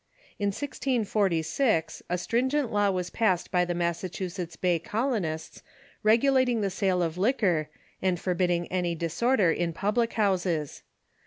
In 1646 a stringent law was passed by the Massachusetts Bay colonists regulating the sale of liquor, and forbidding any dis order ill public houses.